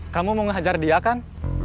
kamu mau ngajar dia kan